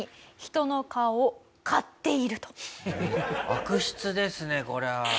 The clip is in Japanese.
悪質ですねこれは。